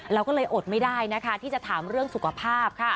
เราก็เลยอดไม่ได้นะคะที่จะถามเรื่องสุขภาพค่ะ